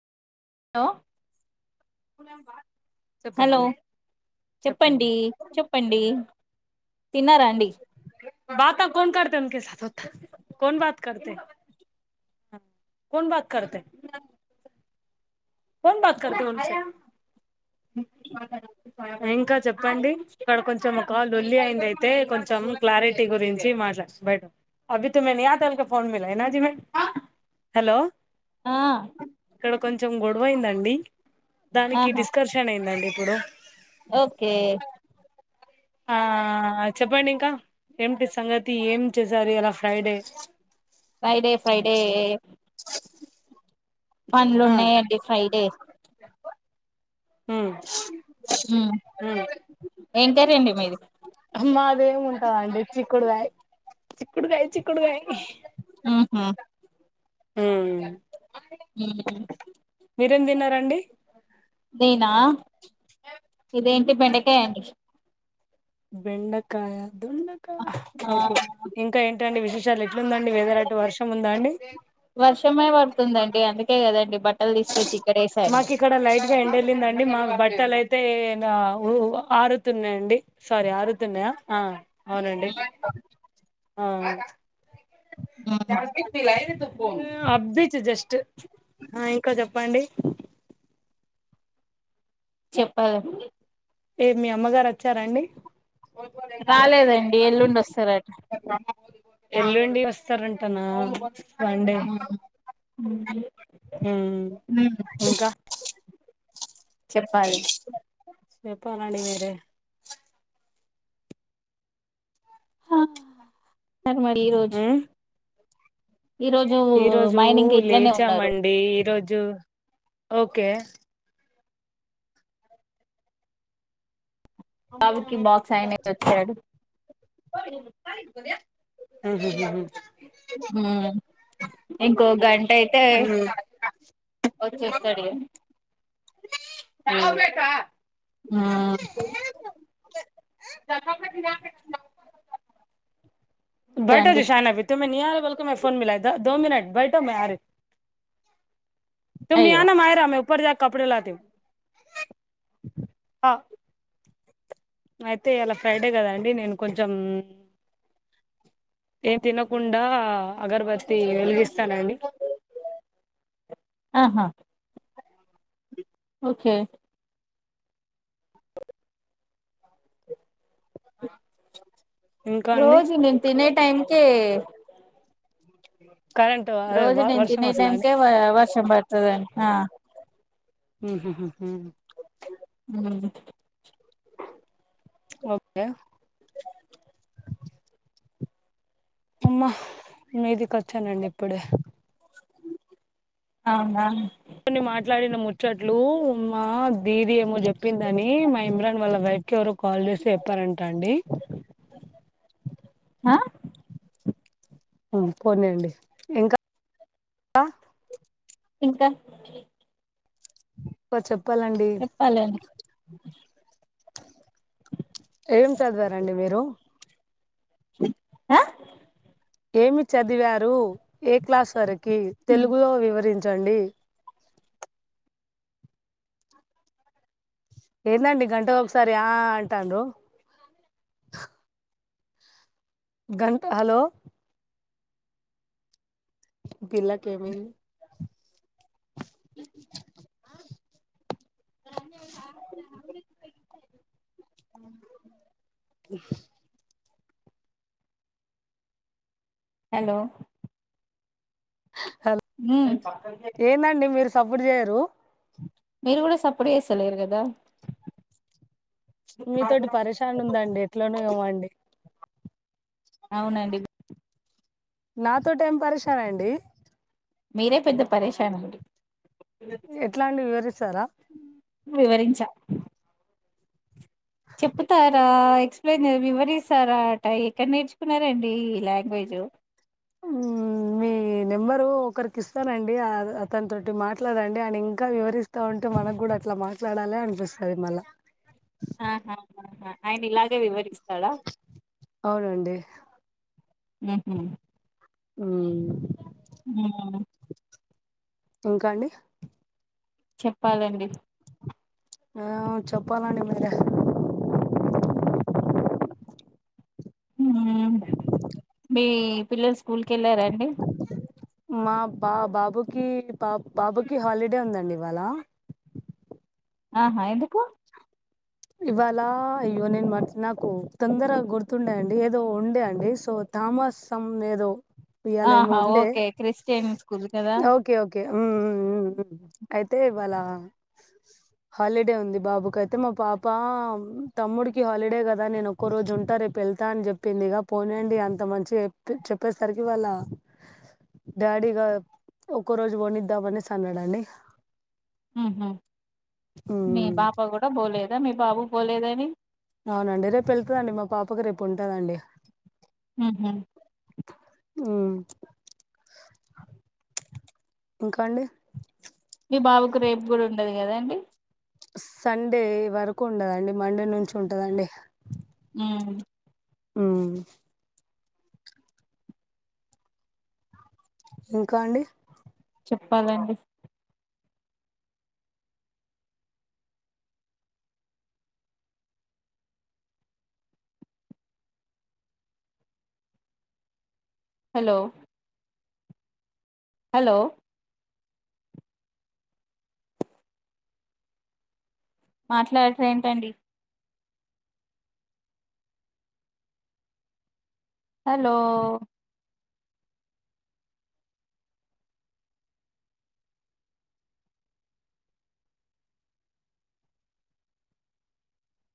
Hello పూలెం వా hello చెప్పండి చెప్పండి తిన్నారా అండి బత కోన కతేక కోన్ బత కతే [unintelligible] కోన్ బతత ఇంకా చెప్పండి ఇక్కడ కొంచెం ఒక లొల్లి అయింది అయితే కొంచెం క్లారిటీ గురించి మాట హలో ఆ ఇక్కడ కొంచెం గొడవయిందండి దానికి ఆహా డిస్కర్షన్ అయిందండి ఇప్పుడు ఓకే ఆ చెప్పండి ఇంకా ఏమిటి సంగతి ఏం చేసారు ఇలా ఫ్రైడే ఫ్రైడే ఫ్రైడే ఆ పనులున్నాయండి ఫ్రైడే మ్మ్ మ్మ్ ఏం కర్రిండి మీది మాదేమి ఉంటందండి చిక్కుడుకాయ చిక్కుడుకాయ చిక్కుడుకాయ మ్మ్ హు మ్మ్ మ్మ్ మీరేం తిన్నారండి నేనా ఇదేంటి బెండకాయ అండి బెండకాయ దొండకాయ ఆ ఓకే ఇంకా ఏంటండి విశే శాలు ఎట్లుందండి వెధర్ అటు వర్షం ఉంద అండి వర్షమే పడుతుందండి అందుకే కదండి బట్టలు తీసుకొచ్చి ఇక్కడ వేేశాను మాకు ఇక్కడ లైట్ గా ఎండెళ్ళిందండి మాకు బట్టలు అయితే ఇంగ ఊ ఆరుతున్నాయండి సారీ ఆరుతున్నాయా ఆ అవునండి ఆ ఉమ్ అబ్బీచ్ జస్ట్ ఇంకా చెప్పండి చెప్పాలి ఇ మీ అమ్మగారు వచ్చార అండి రాలేదండి ఎల్లుండి వస్తారట ఎల్లుండి వస్తారంటానా అండి ఉమ్ ఉమ్ మ్మ్ ఇంకా చెప్పాలి చెప్పాలండి మీరే ఆ సరే మరి ఈ రోజు ఈ రోజు ఈరోజు మా ఆయన ఇంకా ఇట్లనే ఉన్నారు లేచామండి ఈరోజు ఓకే బాబుకి బాక్స్ ఆయనే ఇచ్చొచ్చాడు మ్మ్ హు హు హు మ్మ్ ఇంకో గంట అయితే వచ్చేస్తాడు ఇగ మ్మ్ ఆ దఫ దలా ఓకే బాఠో అండి జీ ాన అభ త మ నీాల బోల్క మ ఫోన్ మలాయో మిన బెఠో మ అ రే తుమ న అయ్యో ఆనా మ మాయరా మ పర్ జ కడేలాా అయితే ఇయాల ఫ్రైడే కదండి నేను కొంచెం ఏం తినకుండా అగరబతి వెలిగిస్తానండి అహా హా ఓకే ఇంకా అండి రోజు నేను తినే టైమ్ కే కరెంట్ అదే వ వర్షం వస్తాదండి పోయే వర్షం పడుతది ఆహ్ ఈ హు హు ఉ ఓకే అమ్మా మీదికి వచ్చానండి ఇప్పుడే అవునా కొన్ని మాట్లాడిన ముచ్చట్లు ఉ మా దీది ఏమో చెప్పిందని మా ఇమ్రాన్ వాళ్ళ వైఫ్ ఎవరో కాల్ చేసి చెప్పారంట అండి ఆహ్ పోనీలేండి ఇంకా ఇంకా అబ్బా చెప్పాలండి భలే ఉంది ఏం చదివారండి మీరు ఆహ్ ఏమి చదివారు ఏ క్లాస్ వరకి తెలుగులో వివరించండి ఏందండి గంట ఒకసారి ఆహ్ అంటారూ గంట హలో పిల్లకి ఏమైంది హలో హలో హఉహ్ ఏందండి మీరు. సప్పుడు చేయరు మీరు కూడాడ సప్పుడు చేస్తలేరు కదా మీతోోటి పరిశాన్ ఉందండి ఎట్లనో ఏమో అండి అవునండి నాతో ఏం పరేషాన్ అండి మీరే పెద్ద పరేేశానండి ఎట్లా అండి వివరిస్తారా వివరించా చెప్పుతారా ఎక్స్ప్లెయిన్ మెమరీస్తారా అ ఎక్కడ నేర్చుకున్నారండి ఈ లాంగ్వేజ్ హమ్ ఈ నెంబరు ఒకరికి ఇస్తానండి అతని తటి మాట్లాదండి ఆయన ఇంకా వివరిస్త కా ఉంటే మనకు కూడా అట్లా మాట్లాడాల అనిపిస్తది మల్లా అహహా ఆహా ఆయన ఇలాగే వివరిస్తాడా అవునండి నాకు ఉమ్ ఉ ఇంకా అండి చెప్పాలండి యావో చొప్పాలండి మీరే ఉహూ మీ పిల్లొల్ స్కూల్కి ఎళ్ళారా అండి మా బా బాబుకి పాప్ బాబుకి హాలిడే ఉందండి ఇవాళా ఆహా ఎందుకు ఇవాళ అయ్యో నేన్ మార్చ్ నాకు తొందరగా గుర్తుండదండి ఏదో ఉండే అండి సో ధామాసమ్ ఏదో ఇయాల ఏమో ఆహా ఉండే. ఓకే క్రిస్టియన్ స్కూల్ కదా కే ఊ ఊ ఊ ఐతే ఇవ్వాల హాలిడే ఉంది బాబుకైతే మా పాపామ్ తమ్ముడికి హాలిడే గదా నేను ఒక్కో రోజుంటా రేపెళ్తా అన్ జొప్ ప్పిందిగా పోనీయండి ఇగ అంత మంచిగా ఎప్పి చెప్పేసరికి వాళ్ళ డాడీగా ఒక్కో రోజు వోనిద్దాం అనేసి అన్నాడాండి ఊహు మీ హ్మ్. బాప గుడ బోలేదా మీ బాబు పోలేదని అవునండి రేపు ఎళ్తదండి మా పాపకి రేపుంటాదండి ఊహు ఉ ఇంకా అండి మీ బాబుకు రేప్ గూడండదు గదండి సండే వరకు ఉండదండి మండే నుంచి ఉంటదండి ఊ ఊ ఇంకా అండి చొప్పాలండి హలో హలో మాట్లార్రేటండి హలో